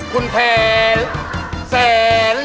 คุณแผล